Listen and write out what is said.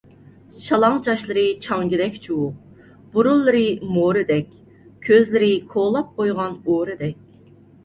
شالاڭ چاچلىرى چاڭگىدەك چۇۋۇق، بۇرۇنلىرى مورىدەك، كۆزلىرى كولاپ قويغان ئورىدەك.